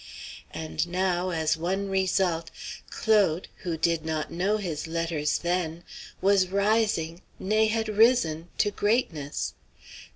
And now, as one result, Claude, who did not know his letters then, was rising nay, had risen to greatness!